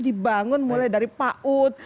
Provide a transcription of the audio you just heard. dibangun mulai dari pak ut